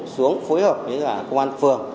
xuống phối hợp với công an phường